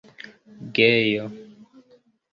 gejo